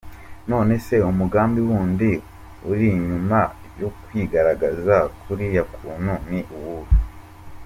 Nonese umugambi wundi urinyuma yo kwigaragaza kuriya kuntu ni uwuhe?.